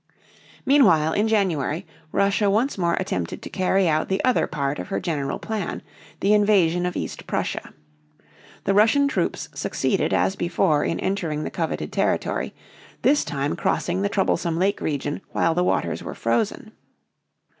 Meanwhile, in January, Russia once more attempted to carry out the other part of her general plan, the invasion of East Prussia. The Russian troops succeeded as before in entering the coveted territory, this time crossing the troublesome lake region while the waters were frozen.